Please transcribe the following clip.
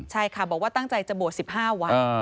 ใช่ค่ะบอกว่าตั้งใจจะบวช๑๕วัน